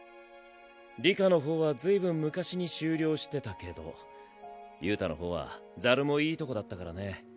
里香の方は随分昔に終了してたけど憂太の方はザルもいいとこだったからね。